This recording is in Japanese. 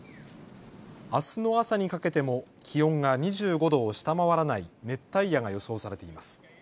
あすの朝にかけても気温が２５度を下回らない熱帯夜が予想されています。